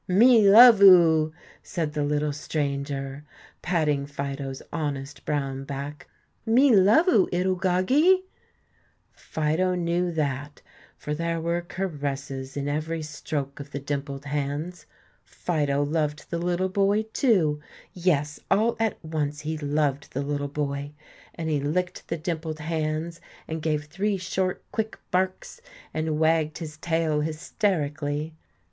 "Me love oo," said the little stranger, patting Fido's honest brown back; "me love oo, 'ittle goggie!" Fido knew that, for there were caresses in every stroke of the dimpled hands. Fido loved the little boy, too, yes, all at once he loved the little boy; and he licked the dimpled hands, and gave three short, quick barks, and wagged his tail hysterically.